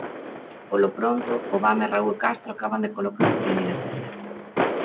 Polo pronto, Obama e Raúl Castro acaban de colocar a primeira pedra.